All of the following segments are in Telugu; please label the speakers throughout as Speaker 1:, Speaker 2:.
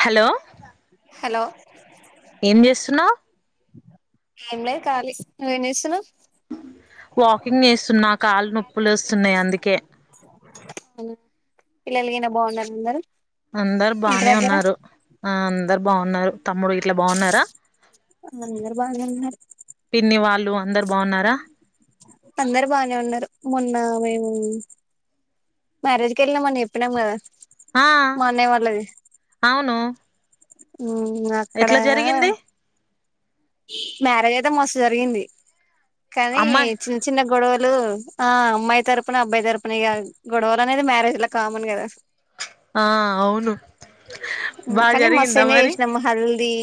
Speaker 1: హలో
Speaker 2: హలో
Speaker 1: ఏం చేస్తున్నావు
Speaker 2: ఏంలే కాలి నువ్వే చేస్తున్నావ్.
Speaker 1: వాకింగ్ చేస్తున్నా కాళ్లు నొప్పులేస్తున్నాయి అందుకే
Speaker 2: పిల్లలు గిన బాగున్నారు అందరూ
Speaker 1: అందరు బానే ఉన్నారు ఆ అందరు బాగున్నారు. తమ్ముడు ఇట్లా బాగున్నారా,
Speaker 2: అందరు బాగానే ఉన్నారు
Speaker 1: పిన్ని వాళ్ళు అందరు బాగున్నారా?
Speaker 2: అందరు బాగానే ఉన్నారు. మొన్న మేము మ్యారేజ్కి వెళ్ళినామని చెప్పినాం కదా.
Speaker 1: ఆ
Speaker 2: మా అన్నయ్య వాళ్ళది
Speaker 1: అవును
Speaker 2: ఊ
Speaker 1: ఎట్లా
Speaker 2: అక్కడేగ
Speaker 1: జరిగింది
Speaker 2: మ్యారేజ్ అయితే మస్తు జరిగింది. కానీ
Speaker 1: అమ్మాయి
Speaker 2: చిన్న చిన్న గొడవలు లు ఆ అమ్మాయి తరుపున అబ్బాయి తరుపున ఇగ గొడవలు అనేది మ్యారేజ్లా కామన్ కదా
Speaker 1: ఆ అవును బాగా
Speaker 2: కని మస్త్
Speaker 1: జరిగిందా
Speaker 2: ఎంజాయ్
Speaker 1: మరి
Speaker 2: చేసినం హల్దీ,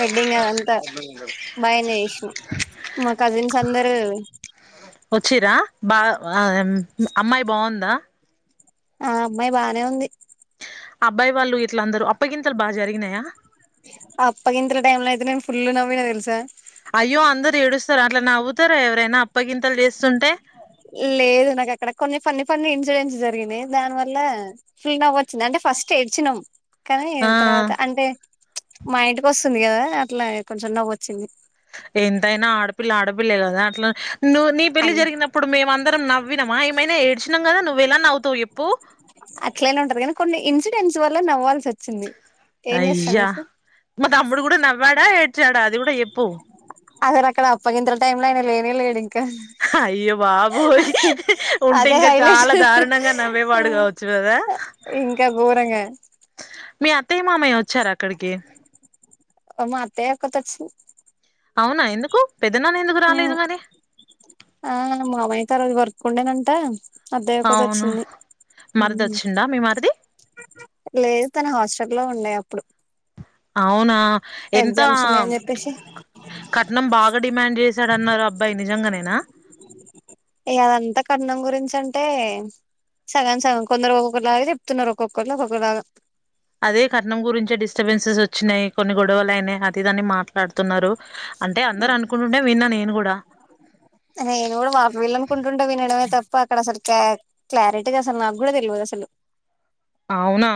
Speaker 2: వెడ్డింగ్ అదంతా బా ఎంజాయ్ చేసినం మా కజిన్స్ అందరూ
Speaker 1: వచ్చిరా బా అమ్మాయి బాగుందా
Speaker 2: ఆ అమ్మాయి బానే ఉంది.
Speaker 1: అబ్బాయి వాళ్ళు ఇంట్ల అందరూ అప్పగింతలు బాగా జరిగినయా
Speaker 2: అప్పగింతల టైమ్ల అయితే నేన్ ఫుల్ నవ్విన తెల్సా
Speaker 1: అయ్యో అందరు ఏడుస్తారు అట్ల నవ్వు తర ఎవరైనా అప్పగింతలు చేస్తుంటే
Speaker 2: లేదు నాక్ అక్కడ కొన్ని ఫన్నీ ఫన్నీ ఇన్సిడెంట్స్ జరిగినయి దాని వల్ల ఫుల్ నవ్వొచ్చింది అంటే ఫస్ట్ ఏడ్చినం కానీ
Speaker 1: ఆ
Speaker 2: తర్వాత అంటే మా ఇంటికి వస్తుంది కదా అట్లా కొంచెం నవ్వొచ్చింది.
Speaker 1: ఎంతైనా ఆడపిల్ల ఆడపిల్లే కదా అట్లా నువ్వు నీ పెళ్లి
Speaker 2: అన్
Speaker 1: జరిగినప్పుడు మేమందరం నవ్వినమా ఏమైనా ఏడ్చినం కదా నువ్వేలా నవ్వు తొయిపు
Speaker 2: అట్లనే ఉంటరు గని కొన్ని ఇన్సిడెంట్స్ వల్ల నవ్వాల్సి వచ్చింది. ఏం చేస్తాం
Speaker 1: అయ్యా
Speaker 2: చెప్పు
Speaker 1: మా తమ్ముడు గుడా నవ్వాడా ఏడ్చాడా అది గుడా చెప్పు
Speaker 2: అసల్ అక్కడ అప్పగింతల టైమ్లో ఆయన లేనే లేడు కా
Speaker 1: అయ్యో బాబోయ్ ఉంటే ఇంకా
Speaker 2: హైలైట్
Speaker 1: చాలా దారుణంగా నవ్వేవాడు కావచ్చు కదా
Speaker 2: ఇంకా ఘోరంగా
Speaker 1: మీ అ తే మామయ్య చరా అక్కడికి
Speaker 2: ఒకతోచింద్
Speaker 1: అవునా ఎందుకు పెద్దనాన్న ఎందుకు రాలేదు మరి
Speaker 2: కుండనంత అబ్బాయి ఒకటి
Speaker 1: అవునా
Speaker 2: వచ్చింది
Speaker 1: మరిది వచ్చిండా మీ మరిది
Speaker 2: లేదు తను హాస్టటల్లో ఉండే అప్పుడు
Speaker 1: అవునా ఎంత
Speaker 2: ఎగ్జామ్స్ ఉన్నయ్ చెప్పేసి
Speaker 1: కట్నం బాగా డిమాండ్ చేశాడన్నారు అబ్బాయి నిజంగనేనా
Speaker 2: ఇగ అదంతా కట్నం గురించి అంటే సగం సగం కొందరు ఒక్కొక్కలాగా చెప్తున్నరు. ఒకొక్కరు ఒక్కొక్కలాగా
Speaker 1: అదే కట్నం గురించే డిస్టర్బెన్సెస్ వచ్చినయి కొన్ని గొడవలైనయి అది ఏది అని మా ట్లాడుతున్నారు. అంటే అందరు అనుకుంటుంటే విన్నా నేను గుడా
Speaker 2: నేను గుడా వాళ్ళు వీళ్ళనుకుంటుంటే వినడమే తప్ప అక్కడ అసల్ క క్లారిటీగా అసలు నాక్ గుడా తెల్వది అసలు
Speaker 1: అవునా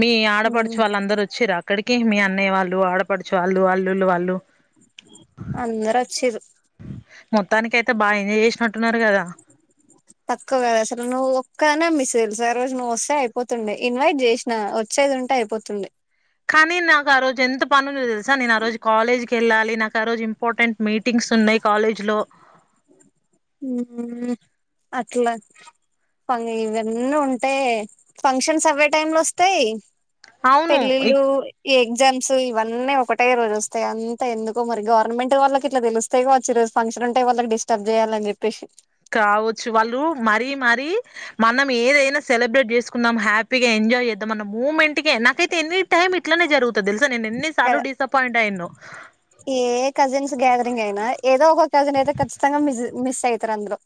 Speaker 1: మీ ఆడపడుచు
Speaker 2: ఉమ్
Speaker 1: వాళ్ళందరూ వచ్చింరా అక్కడికి మీ అన్నయ్య వాళ్ళు ఆడ పడుచు వాళ్ళు వాల్లుు వాళ్ళు
Speaker 2: అందరు వచ్చిరు
Speaker 1: మొత్తానికిైతే
Speaker 2: తక్కువ వళసలు నువు ఒక్క నమ్మి ల్సారి రోజు నువ్వు వస్తే అయిపోతుండే ఇన్వైట్ చేసినా వచ్చేది ఉంటే అయిపోతుంది
Speaker 1: కాాని నాకు ఆ రోజంత పనులు తెలుస నేను ఆ రోజు కాలేజ్ కి వెళ్ళాలి నాకు ఆ రోజు ఇంపార్టెంట్ మీటింగ్స్ ఉన్నాయి్ కాలేజ్ లో
Speaker 2: అట్లా ఇవన్నీ ఉంటాయి ఫంక్షన్స్ అవే టైమ్ లో వస్తాయి
Speaker 1: అవును ఈ
Speaker 2: పెళ్ళిళ్ళు ఈ ఎగ్జామ్స్ ఇవన్నీ ఒకటే రోజు వస్తాయి అంత ఎందుకో మరి గవర్నమెంట్ వాళ్ళకి ఇట్లా తెలుస్తె వచ్చు ఈ రోజు ఫంక్షన్ ఉంటే వాళ్ళకి డిస్టర్బ్ చేయాలి అలా చెప్పేసి
Speaker 1: కావచ్చు వాళ్ళు మరీ మరీ మనం ఏదైనా సెలబ్రేట్ చేసుకున్నాం హ్యాపీగా ఎంజాయ్ చేద్దాంమన్న మూమెంట్ కే నాకైతే ఎన్ని టైమ్ ఇట్లానే జరుగుతుంది తెలుసా నేను ఎన్ని సార్లు
Speaker 2: కదా
Speaker 1: డిసప్పయింట్ అయ్యాను
Speaker 2: ఏ కజిన్స్ గ్యాదరింగ్ అయినా ఏదో ఒక కజిన్ అయితే ఖచ్చితంగా మిస్ అయితారు అందరు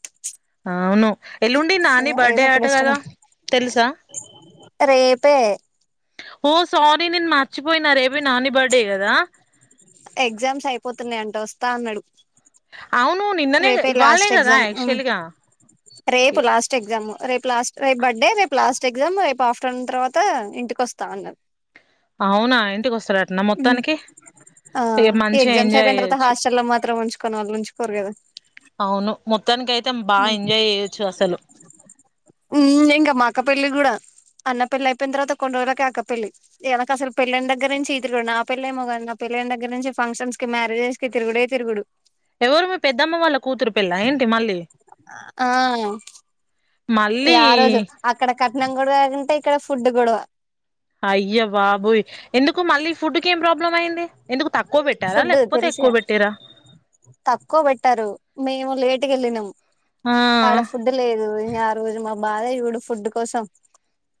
Speaker 1: అవును ఎల్లుండి నాని
Speaker 2: ఏదో
Speaker 1: బర్త్డే
Speaker 2: ఒక
Speaker 1: ఆట కదా
Speaker 2: డిస్టర్బెన్స్
Speaker 1: తెలుసా
Speaker 2: రేపే
Speaker 1: ఓ సారీ నేను మర్చిపోయిన రేపు నాని బర్డే కదా
Speaker 2: ఎగ్జామ్స్ అయిపోతున్నాయి అంట వస్తా అన్నాడు
Speaker 1: అవును నిన్ననే
Speaker 2: రేపే
Speaker 1: ఇవాళనే
Speaker 2: లాస్ట్
Speaker 1: కదా
Speaker 2: ఎగ్జామ్
Speaker 1: యాక్చువల్ గా
Speaker 2: రేపు లాస్ట్ ఎగ్జామ్ రేపు లాస్ట్ రేపు బర్డే రేపు లాస్ట్ ట్ ఎగ్జామ్ రేపు ఆఫ్టర్నూన్ తర్వాత ఇంటికి వస్తా అన్నాను
Speaker 1: అవునా ఇంటికి వస్తా
Speaker 2: ఆ ఈ
Speaker 1: మంచిగా
Speaker 2: ఎగ్జామ్స్
Speaker 1: ఎంజాయ్
Speaker 2: అయిపోయిన తర్వాత
Speaker 1: చేయొచ్చు
Speaker 2: హాస్టల్ లో మాత్రం ఉంచుకొని వాళ్ళు ఉంచుకోరు కదా
Speaker 1: అవును మొత్తానికి అయితే బాగా ఎంజాయ్ చేయొచ్చు అసలు
Speaker 2: ఉ ఇంగా మా అక్క పెళ్ళి కూడా అన్న పెళ్లి అయితం తర్వాత కొన్ని రోజులకే అక్క పెళ్లి వెనుక అసలు పెళ్లి యిన దగ్గర నుంచి ఈ తిగుడు నా పెళ్ళ ఏమో కాదు నా పెళ్లిళ దగ్గర నుంచింక్షన్ కి మ్యేజెస్ కి తిగుడే తిగుడు
Speaker 1: ఎవరు మీ పెద్దమ్మ వాళ్ళ కూతురు పెళ్ళ అ ఏంటి మళ్ళీ
Speaker 2: ఆ
Speaker 1: మళ్ళీ
Speaker 2: న కూడా కాగాంటే ఇక్కడ ఫుడ్ కూడా
Speaker 1: అయ్య బాబోయి్ ఎందుకు మళ్లి ఫుడ్ కీ ఏం ప్రాబ్లం అయ్యంది
Speaker 2: ఫుడ్ తెలిసి తక్కువ పెట్టారు మీ ఇవ ల లేట్ గ వెళ్లి నాంమ్
Speaker 1: ఆ
Speaker 2: తడ ఫుడ్ లేదు ఇక ఆ రోజు మా బాధ ఇప్పుడు ఫుడ్ కోసం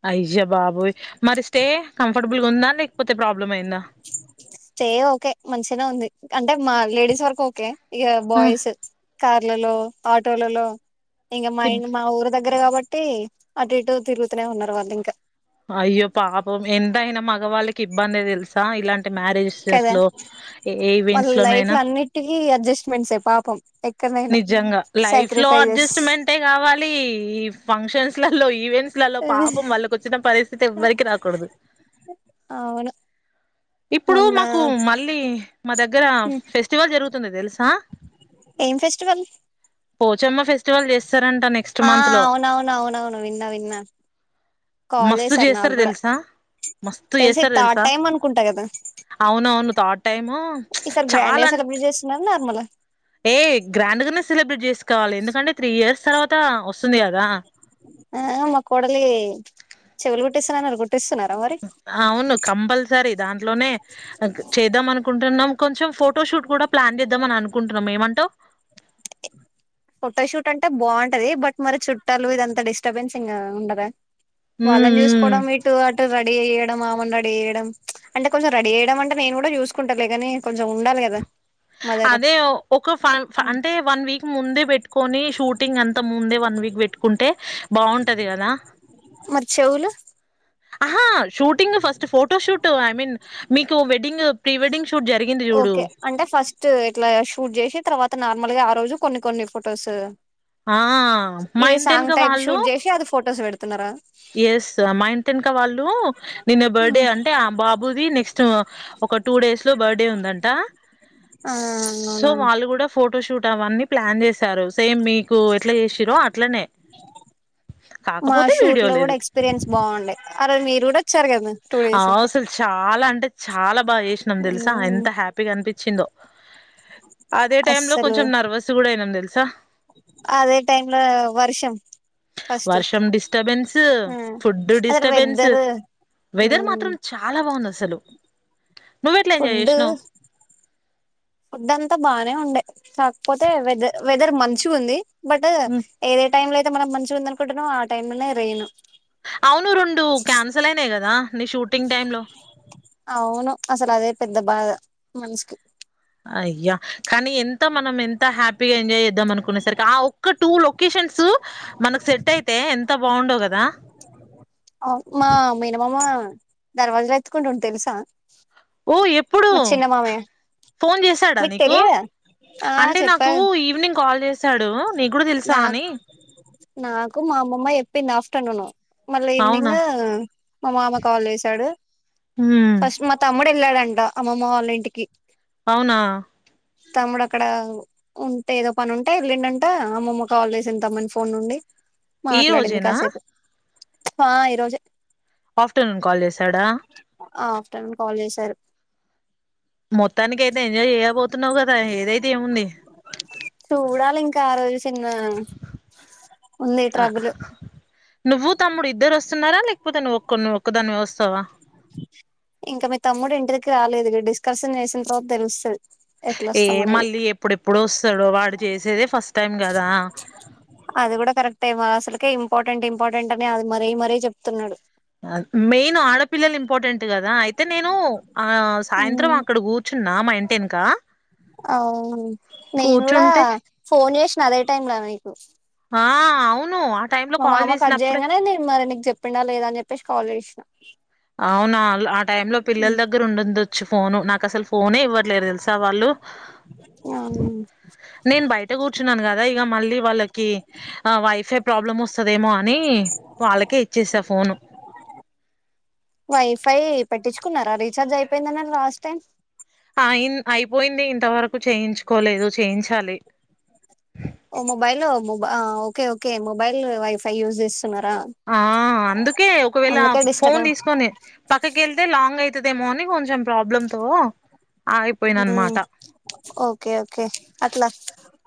Speaker 1: అయ్యా బాబోయ్ మరి స్టే కంఫర్టబుల్ గా ఉందా లేకపోతే ప్రాబ్లమ్
Speaker 2: స్టే ఓకే మంచినే ఉంది అంటే మా లేడీస్ వరకు ఓకే ఇగా
Speaker 1: ఆ
Speaker 2: బాయ్స్ క లలో ఆటోలలో ఇంగ మా
Speaker 1: ఇబ్
Speaker 2: ఇట్ మా ఊరు దగ్ దగ్గర కాబట్టి అటు ఇటు తిరుగుతూనే ఉన్నారు వాళ్ళు ఇంకా
Speaker 1: అయ్యో పాపం ఎంతయినా మగవాళ్ళకి ఇబ్బంది తెలుసా ఇలాన్
Speaker 2: కదా వాళ్ళ
Speaker 1: ఈవెంట్స్
Speaker 2: లైఫ్
Speaker 1: లోనైనా
Speaker 2: లో అన్నిటికి అడ్జస్ట్మెంట్ స్ పాపం ఎక్కడనైనా
Speaker 1: నిజంగా లైఫ్ లో
Speaker 2: సాక్రిఫైజెస్
Speaker 1: అడ్జస్ట్మెంటే కావాలి ఈ ఫంక్షన్స్ ల లో ఈవెంట్స్ లలో పాపం వాళ్ళకి వచ్చిన పరిస్థితి ఎవ్వరికి రాకూడదు
Speaker 2: అవును
Speaker 1: ఇప్పుడు
Speaker 2: మొన్న
Speaker 1: మాకు మళ్ళీ మా దగ్గర ఫెస్టివల్ జరుగుత్ తుంది తెలుసా
Speaker 2: ఏం ఫెస్టివల్
Speaker 1: పోచమ్మ ఫెస్
Speaker 2: ఆ అవునవును అవునవును విన్నా విన్నా కాల్
Speaker 1: మస్తు
Speaker 2: చేసారు నాకు
Speaker 1: చేస్తారు
Speaker 2: కూడా
Speaker 1: తెలుసా మస్తు
Speaker 2: తెలిసి
Speaker 1: చేస్తారు
Speaker 2: థర్డ్
Speaker 1: తెలుసా
Speaker 2: టైం అనుకుంట
Speaker 1: అవునవును థర్డ్ టైము
Speaker 2: ఈసారి గ్రాండ్ గా
Speaker 1: చాలా అన్
Speaker 2: సెలబ్రేట్ చేస్తున్నారు నార్మల్
Speaker 1: ఏ గ్రాండ్ గానే సెలబ్రేట్ చేస్ కావాలి ఎందుకంటే తీ ఇయర్స్ తర్వత్ అంత వస్తుంది గదా
Speaker 2: ఆ మా కోడలి చెవుల్ గుట్టస్తా నన్నారు గూర్
Speaker 1: అవును కంపల్సరిత్ దాంట్లోనే అక్ చేద్దాం అనుకుంటున్నాం కొంచెం ఫోటో షూట్ కూడా ప్లాన్ చేద్దాం అని అనుకుంటున్నాం ఏమంటావ్
Speaker 2: ఫొటోషూట్ అంటే బాగుంటది బట్ మరి చుట్టాలు ఇదంతా డిస్టర్బెన్సింగ్ ఉండదా
Speaker 1: ఉమ్
Speaker 2: వాళ్ళను
Speaker 1: ఉమ్
Speaker 2: చూసుకోవడం ఇటు అటు ఇటు రెడీ ఏయడం ఆమెను రెడీ చేయడం అంటే కొంచెం రెడీ చేయడం అంటే నేను గూడా చూసుకుంటాలే గాని కొంచెం ఉండాలి గదా
Speaker 1: అదే ఒక ఫన్ అంటే వన్ వీక్ ముందే కొని షూటింగ్ అంత ముందే వన్ వీక్ పెట్టుకుంటే బాగుంటది గదా
Speaker 2: మరి చెవులు
Speaker 1: ఆహా shooting first photo shoot I mean మీకు వెడ్డింగ్ ప్రీ వెడ్డింగ్ షూట్ జరిగింది జూడు
Speaker 2: ట్ ఇట్లా షూట్ చేసి తర్వాత నార్మల్ గా ఆ రోజు కొన్ని కొన్ని ఫొటోస్
Speaker 1: ఆ! మా
Speaker 2: ఇదే సాంగ్
Speaker 1: ఇంటెనక
Speaker 2: టైప్ షూట్ చేసి అది ఫొటోస్ వెడుతున్నారా
Speaker 1: ఎస్ మా ఇంటేనుక వాళ్ళు నిన్న బర్త్డే అంటే ఆ బాబుది నెక్స్ట్ ఒక టూ డేస్ లో బర్డే ఉందంట
Speaker 2: ఆ
Speaker 1: సో
Speaker 2: అవునా
Speaker 1: వాళ్ళు కూడా ఫోటోషూట్ అవన్నీ ప్లాన్ చేస్ టారు సేమ్ మీకు ఎట్లా చేసిరో అట్లనే కాకపోతే వీడియోల్
Speaker 2: రోడ్ ఎక్స్పీరియన్స్ బాగుండే ఆ రోజు మీరు కూడా వచ్చారు కదా టూ డేస్
Speaker 1: అవ్ అసల్ చాలా అంటే చాలా బాగా చేసినాం తెలుసా ఎంత హ్యాపీగా అనిపించిందో అదే టైమ్ లో
Speaker 2: అస్సలు
Speaker 1: కొంచెం నర్వస్ కూడా అయినాం తెల్ చా
Speaker 2: అదే టైం లో వర్షం ఫస్ట్
Speaker 1: వర్షం డిస్టర్బెన్స్
Speaker 2: ఆ
Speaker 1: ఫుడ్
Speaker 2: అక్కడ
Speaker 1: డిస్టబెన్స్
Speaker 2: వెదర్
Speaker 1: వెదర్ మాత్రం చాలా బాగుంది అసలు నువ్ ఎట్లా ఎంజాయ్
Speaker 2: ఫుడ్
Speaker 1: చేసినావ్
Speaker 2: ఫుడ్ అంతా బానే ఉండే కాకపోతే వెద వెదర్ మంచిగా ఉంది బట్ ఏదే టైమ్ లో అయితే మనం మంచిగా ఉంది అనుకుంటన్నామ్ ఆ టైం లనే రెయిను
Speaker 1: అవును రెండు క్యాన్సల్ అయినాయి కదా నీ షూటింగ్ టైమ్ లో
Speaker 2: అవును అసలు అదే పెద్ద బాధ మనుసుకి
Speaker 1: అయ్యా కానీ ఎంత మనం ఎంత హ్యాపీగా ఎంజాయ్ చేద్దాం అనుకునేసరికి ఆ ఒక్క టూ లొకేషన్స్ మనకు సెట్ అయితే ఎంత బాగుండో కదా
Speaker 2: అ మా మేనా మామ దర్వాజ్ లు ఎత్తుకుంటుండు తెలుసా
Speaker 1: ఓ ఎప్పుడు
Speaker 2: మా చిన్న మామయ్య
Speaker 1: ఫోన్ చేసాడా
Speaker 2: మీకు
Speaker 1: నీకు
Speaker 2: తెలియదా ఆ
Speaker 1: అంటే
Speaker 2: చెప్పా
Speaker 1: నాకు ఈవినింగ్ కాల్ చేశాడు నీ కూడా తెలుసా
Speaker 2: నాకు
Speaker 1: అని
Speaker 2: ఫ్టర్ నూన్ మళ్ళ ఈవినింగ్
Speaker 1: అవునా
Speaker 2: మా మామ కాల్ చేసాడు
Speaker 1: హ్మ్
Speaker 2: ఫస్ట్ మా తమ్ముడు వెళ్ళాడన్ అమ్మమ్మ వాళ్ళ ఇంటికి
Speaker 1: అవునా
Speaker 2: తమ్ముడు అక్కడ ఉంటే ఏదో పని ఉంటే ఎల్లిన్ డంట అమ్మమ్మ కాల్ చేసిాంది తమ్మని ఫోన్ నుండి
Speaker 1: ఈ
Speaker 2: మాట్లాడింది
Speaker 1: రోజేనా
Speaker 2: కాసేపు హా ఈ రోజె
Speaker 1: ఆఫ్టర్నూన్ కాల్ చేసాడా
Speaker 2: ఆ ఆఫ్టర్నూన్ కాల్ చేశారు
Speaker 1: మొత్తానికి అయితే ఎంజాయ్ చేయబోతున్నావు కదా ఏదైతే ఏముంది
Speaker 2: చూడాలి ఇంకా ఆ రోజు చిన్న ఉంది ట్రబుల్
Speaker 1: నువ్వు తమ్ముడు ఇద్దరు వస్త సున్నారా ఒ ఒక్క ఒ ఒక్కదానివే ఒస్ కదా
Speaker 2: ఇంకా మీ తమ్ముడు ఇంటి దగ్కిర రాలేదు డిస్కషన్ చేసిన తర్వాత తెలుస్తుంది
Speaker 1: ఏ మళ్ళీ ఎప్పుడెప్పుడు వస్తాడో వాడు చేసేదే ఫస్ట్ టైం కదా
Speaker 2: ఇంపార్టెంట్ంర్టెంట్ అని అది మరీ మరీ చెప్తున్నాడు
Speaker 1: మెయిన్ ఆడపిల్లలు ఇంపార్టెంట్ కదు కదా అయితే నేను ఆ సాయంత్రం అక్కడ కూర్చున్నా మా ఇంటి వెనుక
Speaker 2: అవును నేను కూడా
Speaker 1: కూర్చుంటే
Speaker 2: ఫోన్ చేసిన అదే టైం లోనా మీకు
Speaker 1: ఆ అవును టైమ్ లో
Speaker 2: మా
Speaker 1: కాల్
Speaker 2: మామ
Speaker 1: చేసినప్పుడే
Speaker 2: కట్చేయంగానే నేను మరి నీకు చెప్పిండా లేదాని చెప్పేసి కాల్చేసిననా
Speaker 1: అవునా ఆ టైమ్ లో పిల్లల దగ్గర ఉండుందు ఫోను నాకు అసలు ఫోన్ ఇవ్వట్లేదు తెలుసా వాళ్ళు నే బయట కూర్చున్నాను కదా ఇ మళ్ళీ వాళ్ళకి వై ప్రాబ్లమ్ వస్తుందేమో అని వాళ్ళకే ఇచ్చేసా ఫోను
Speaker 2: వైఫై పెట్టించుకున్నారా రీచార్జ్ అయిపోయిందన్నరు లాస్ట్ టైం
Speaker 1: అయిన్ అయిపోయింది ఇంతవరకు చేయించుకోలేదు చేయించాలి
Speaker 2: ఓ మొబైల్ మొబ ఓకే ఓకే మొబైల్ వైఫై యూజె
Speaker 1: ఆ అందుకే ఒకవేళ
Speaker 2: అందుకే డిస్టర్బ్
Speaker 1: ఫోన్ తీసుకొని పక్కకి వెళ్తే లాంగ్ అయితు అవుదేమోని కొంచెం ప్రాబ్లమ్ తో ఆగిపోయిన అనమాట
Speaker 2: ఓకే ఓకే అట్లా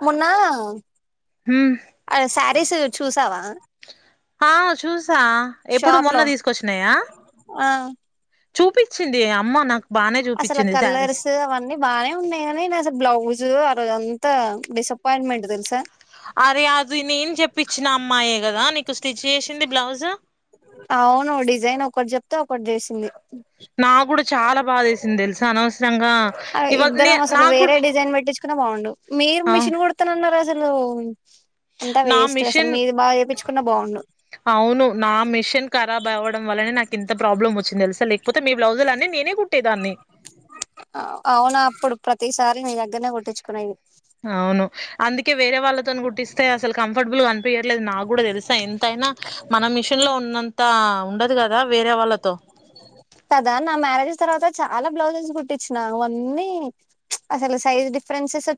Speaker 2: మొన్నా
Speaker 1: ఉమ్
Speaker 2: సిలో చూసావా
Speaker 1: ఆ చూసా ఎప్పుడు
Speaker 2: షాప్
Speaker 1: మొన్న
Speaker 2: లో
Speaker 1: తీసుకొచ్చినాయా
Speaker 2: ఆ
Speaker 1: చూపించింది అమ్మ నాకు బానే
Speaker 2: అసలు
Speaker 1: చూపించింది శారీస్
Speaker 2: కలర్స్ అవన్నీ బానే ఉన్నాయి కానీ నే అసలు బ్లౌజు ఆ రోజంత ఎంత డిసప్పాయింట్మెంట్ తెలుసా
Speaker 1: అరే అది నేను చెప్పచ్చిన అమ్మాయే కదా నీకు స్టిచ్ చేసింది బ్లౌజ్ జ
Speaker 2: అవును డిజైన్ ఒకటి చెప్తే ఒకటి చేసింది
Speaker 1: నా కూడా చాలా బాదేసింది తెలుసు అనవసరంగా ఇవా న
Speaker 2: ఇద్దరం అసలు
Speaker 1: నా
Speaker 2: వేరే
Speaker 1: కూడా
Speaker 2: డిజైన్ పెట్టించుకున్నా బాగుండు మీరు
Speaker 1: ఆ
Speaker 2: మిషన్ కుడతానన్నారు అసలు అంతా వేస్ట్ అసలు
Speaker 1: మిషన్
Speaker 2: మీది బాగా చేపించుకున్నా బాగుండు
Speaker 1: షన్ ఖరాబ్ అవ్వడం వల్లనే నాకు ఎంత ప్రాబ్లం వచ్చింది తెలుసా నీకు
Speaker 2: అవునా అప్పుడు ప్రతిసారి నీ దగ్గ దనే కొట్టిచ్చుకోనతే
Speaker 1: అవును అందిక్ కి వేరే వాళ్ళతో గుట్టిస్తే అసలు కంఫర్టబుల్గా అనిపించట్లేదు నా కూడా తెలుసా ఎంతైనా మన మిషన్ లో న్నంతా ఉండదు కదా వేరే వాళ్ళతో
Speaker 2: కదా నా మ్యారేజ్ తర్వాత చాలా బ్లౌజెస్ కుట్టించినా అన్నీ అసలు సైజ్ డిఫరెన్సెస్ వచ్చి